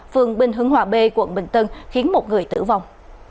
phường binh hứng hòa b quận bình tân khiến một người tử vong